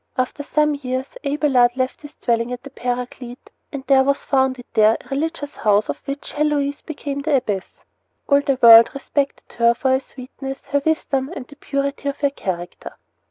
After some years Abelard left his dwelling at the Paraclete, and there was founded there a religious house of which Heloise became the abbess. All the world respected her for her sweetness, her wisdom, and the purity of her character.